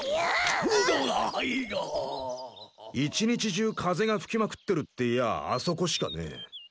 １日中風が吹きまくってるっていやああそこしかねえ。